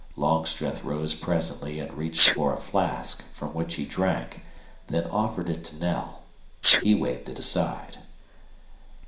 Longstreth rose presently and reached for a flask, from which he drank, then offered it to Knell. He waved it aside.